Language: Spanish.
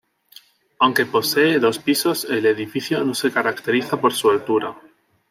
Aunque posee dos pisos, el edificio no se caracteriza por su altura.